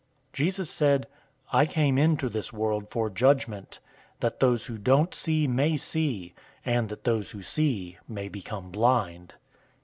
009:039 Jesus said, "I came into this world for judgment, that those who don't see may see; and that those who see may become blind."